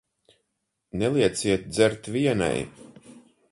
Nelieciet dzert vienai.